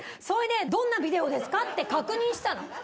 それで、どんなビデオですか？って確認したの。